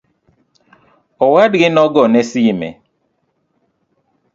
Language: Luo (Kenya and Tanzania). Owadgi nogone sime